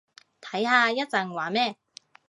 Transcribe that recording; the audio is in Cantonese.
睇下一陣玩咩